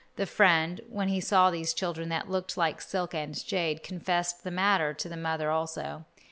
The friend, when he saw these children that looked like silk and jade, confessed the matter to the mother also.